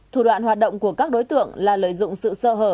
thủ đoạn hoạt động của các đối tượng là lợi dụng sự sơ hở